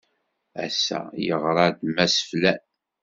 Ass-a, yeɣra-d Mass Flan.